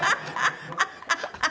ハハハハ！